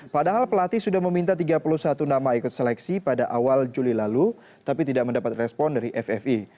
padahal pelatih sudah meminta tiga puluh satu nama ikut seleksi pada awal juli lalu tapi tidak mendapat respon dari ffi